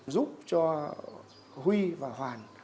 giúp cho huy và hoàn